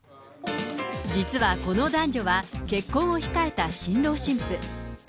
実はこの男女は、結婚を控えた新郎新婦。